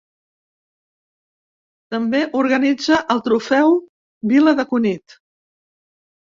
També organitza el Trofeu Vila de Cunit.